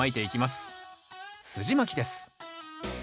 すじまきです。